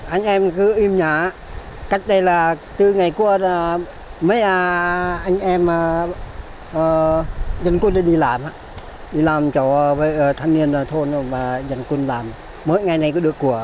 anh em dân quân đi làm đi làm cho thân niên thôn và dân quân làm mỗi ngày này có được của